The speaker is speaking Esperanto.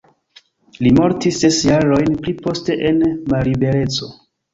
Li mortis ses jarojn pli poste en mallibereco.